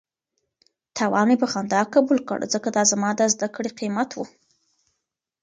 تاوان مې په خندا قبول کړ ځکه دا زما د زده کړې قیمت و.